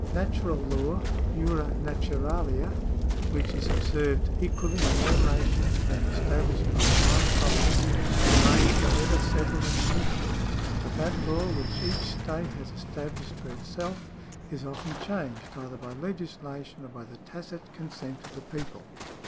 —" Natural law {jura naturalia), which is observed equally in all nations, being estabhshed by divine providence, remains for ever settled and immutable ; but that law which each state has established for itself is often changed, either by legislation or by the tacit consent of the people."